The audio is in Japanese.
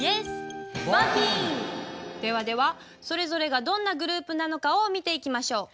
ではではそれぞれがどんなグループなのかを見ていきましょう。